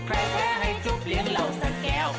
แคล้แคล้ให้ชุบเลี้ยงเราสักแก้ว